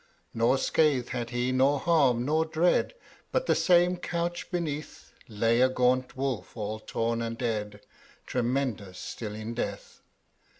Nor scathe had he, nor harm, nor dread: But the same couch beneath, Lay a gaunt wolf all torn and dead, Tremendous still in death.